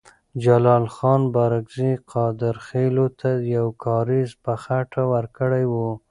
جلال خان بارکزی قادرخیلو ته یو کارېز په خټه ورکړی وو.